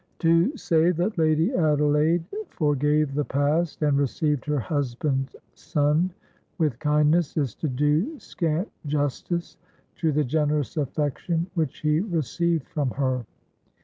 To say that Lady Adelaide forgave the past, and received her husband's son with kindness, is to do scant justice to the generous affection which he received from her.